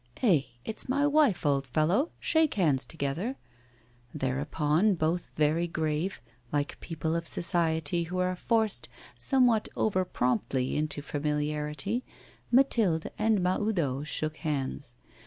'Eh! It's my wife, old fellow. Shake hands together.' Thereupon, both very grave, like people of society who are forced somewhat over promptly into familiarity, Mathilde and Mahoudeau shook hands.